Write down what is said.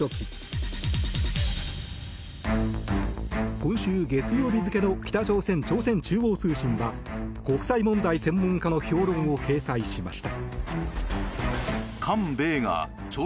今週月曜日付けの北朝鮮朝鮮中央通信は国際問題専門家の評論を掲載しました。